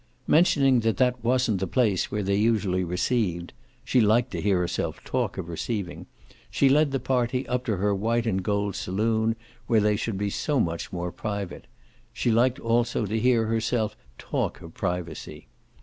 Mentioning that that wasn't the place where they usually received she liked to hear herself talk of "receiving" she led the party up to her white and gold saloon, where they should be so much more private: she liked also to hear herself talk of privacy.